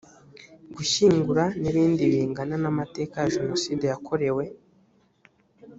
gushyingura n ibindi bingana na amateka ya jenoside yakorewe